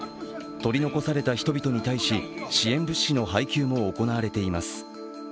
取り残された人々に対し支援物資の配給も行われています。